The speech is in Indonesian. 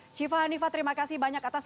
syifa hanifah terima kasih banyak atas